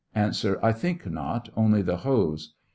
I think not, only the hose.